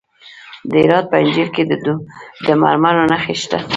د هرات په انجیل کې د مرمرو نښې شته.